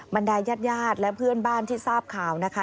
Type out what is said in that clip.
บรรดายญาติญาติและเพื่อนบ้านที่ทราบข่าวนะคะ